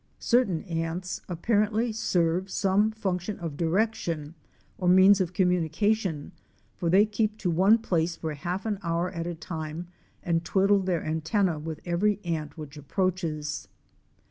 Cer tain ants apparently serve some function of direction or means of communication, for they keep to one place for a half hour at a time and twiddle their antennz with every ant which approaches.